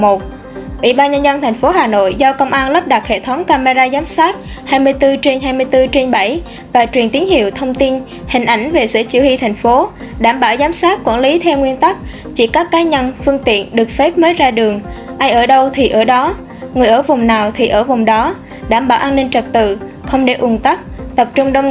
ủy ban nhân dân tp hà nội do công an lắp đặt hệ thống camera giám sát hai mươi bốn trên hai mươi bốn trên bảy và truyền tiếng hiệu thông tin hình ảnh về sở chỉ huy thành phố đảm bảo giám sát quản lý theo nguyên tắc chỉ các cá nhân phương tiện được phép mới ra đường ai ở đâu thì ở đó người ở vùng nào thì ở vùng đó đảm bảo an ninh trật tự không để ung tắc tập trung đông người